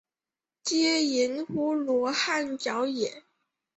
曷言乎罗汉脚也？